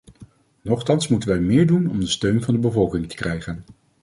Nochtans moeten wij meer doen om de steun van de bevolking te krijgen.